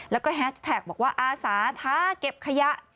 แล้วก็แฮชแท็กบอกว่าอาสาท้าเก็บขยะ